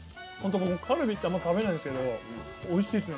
カルビってあんま食べないんですけどおいしいですね。